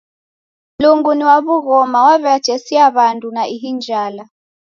Mlungu ni wa w'ughoma waw'iatesia w'andu na ihi njala.